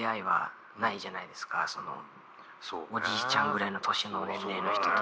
おじいちゃんぐらいの年の年齢の人と。